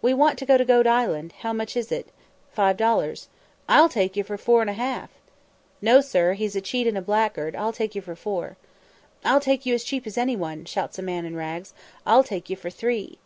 "We want to go to Goat Island; how much is it?" "Five dollars." "I'll take you for four dollars and a half." "No, sir, he's a cheat and a blackguard; I'll take you for four." "I'll take you as cheap as any one," shouts a man in rags; "I'll take you for three."